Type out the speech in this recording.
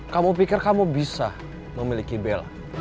kamu pikir kamu bisa memiliki bella